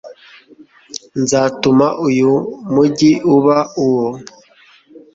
nzatuma uyu mugi uba uwo